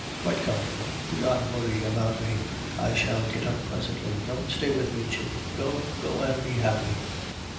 "Quite comfortable. Do not worry about me; I shall get up presently. Don't stay with me, children; go, go and be happy."